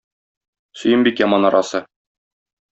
Сөембикә манарасы.